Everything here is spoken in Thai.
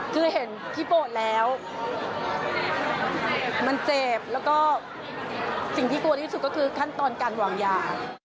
คือเห็นพี่โบดแล้วมันเจ็บแล้วก็สิ่งที่กลัวที่สุดก็คือขั้นตอนการวางยา